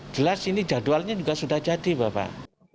jelas ini jadwalnya juga sudah jadi bapak